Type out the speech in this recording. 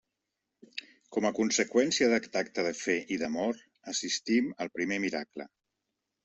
Com a conseqüència d'aquest acte de fe i d'amor assistim al primer miracle.